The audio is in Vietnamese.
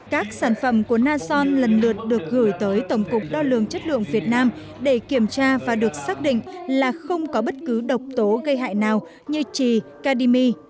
các sản phẩm của nason lần lượt được gửi tới tổng cục đo lường chất lượng việt nam để kiểm tra và được xác định là không có bất cứ độc tố gây hại nào như trì kadimi